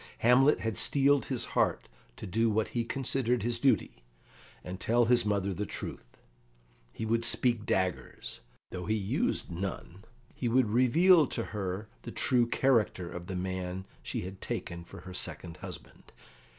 Hamlet had steeled his heart to do what he considered his duty, and tell his mother the truth. He would speak daggers, though he used none; he would reveal to her the true character of the man she had taken for her second husband.